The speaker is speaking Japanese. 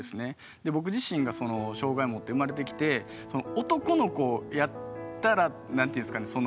で僕自身がその障害を持って生まれてきて男の子やったら何て言うんですかね